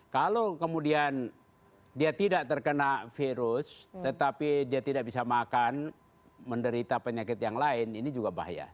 kalau kemudian dia tidak terkena virus tetapi dia tidak bisa makan menderita penyakit yang lain ini juga bahaya